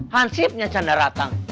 hansipnya canda ratang